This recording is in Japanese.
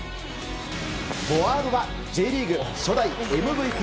フォワードはＪリーグ初代ＭＶＰ。